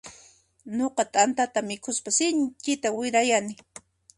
Nuqa t'antata mikhuspa sinchita wirayani.